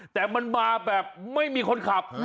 แต่มันมาแบบไม่มีคนขับ